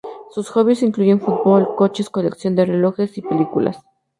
Sus "hobbies" incluyen fútbol, coches, colección de relojes y ver películas.